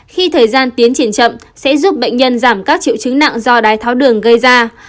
khi thời gian tiến triển chậm sẽ giúp bệnh nhân giảm các triệu chứng nặng do đái tháo đường gây ra